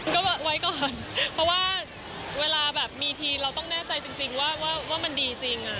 ก็ไว้ก่อนเพราะว่าเวลาแบบมีทีเราต้องแน่ใจจริงว่ามันดีจริง